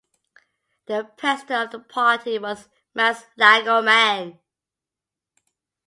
The president of the party was Mats Lagerman.